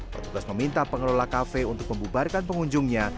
petugas meminta pengelola kafe untuk membubarkan pengunjungnya